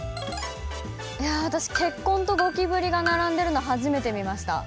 いやぁ私「結婚」と「ゴキブリ」が並んでるの初めて見ました。